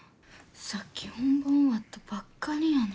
さっき本番終わったばっかりやのに。